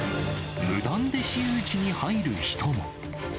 無断で私有地に入る人も。